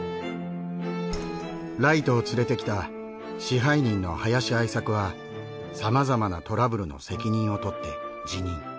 ライトをつれてきた支配人の林愛作はさまざまなトラブルの責任を取って辞任。